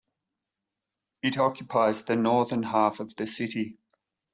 It occupies the northern half of the city.